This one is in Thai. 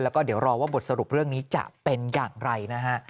แล้วก็เดี๋ยวรอว่าบทสรุปเรื่องนี้จะเป็นอย่างไรนะฮะ